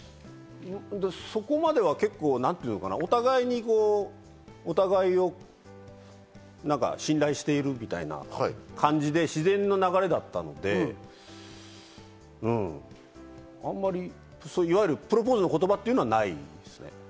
そこまでは結構お互いに、お互いを信頼しているみたいな感じで自然の流れだったので、いわゆるプロポーズの言葉っていうのはないですね。